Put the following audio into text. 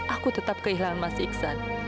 aku tetap kehilangan mas iksan